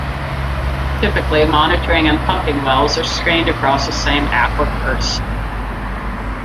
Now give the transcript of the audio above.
Typically monitoring and pumping wells are screened across the same aquifers.